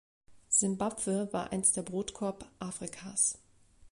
Simbabwe war einst der Brotkorb Afrikas.